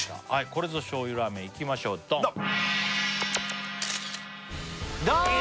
これぞ醤油ラーメンいきましょうドンだー！